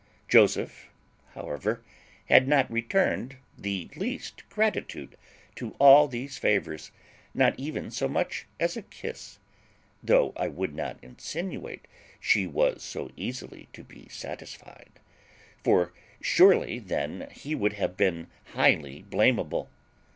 Joseph, however, had not returned the least gratitude to all these favours, not even so much as a kiss; though I would not insinuate she was so easily to be satisfied; for surely then he would have been highly blameable.